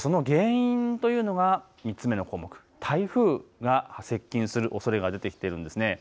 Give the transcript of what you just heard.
その原因というのは３つ目の項目、台風が接近するおそれが出てきているんです。